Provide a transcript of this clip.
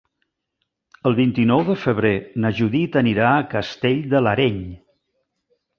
El vint-i-nou de febrer na Judit anirà a Castell de l'Areny.